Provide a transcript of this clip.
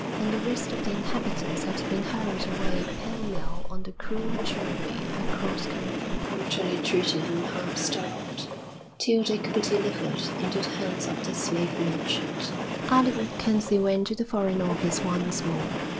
And the rest of the inhabitants had been hurried away pellmell on the cruel journey across country, brutally treated and half starved, till they could be delivered into the hands of the slave merchant. Alec MacKenzie went to the Foreign Office once more.